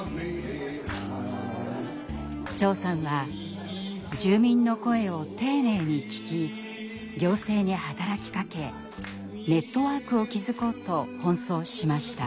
長さんは住民の声を丁寧に聞き行政に働きかけネットワークを築こうと奔走しました。